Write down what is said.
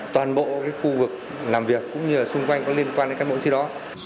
toàn bộ khu vực làm việc cũng như xung quanh có liên quan đến các bộ chi đó